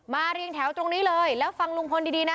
เรียงแถวตรงนี้เลยแล้วฟังลุงพลดีนะ